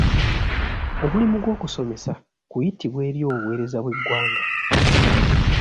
Omulimu gw'okusomesa kuyitibwa eri obuweereza bw'eggwanga.